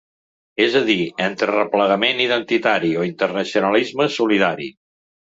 És a dir, entre replegament identitari o internacionalisme solidari.